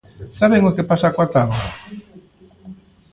¿Saben o que pasa coa táboa?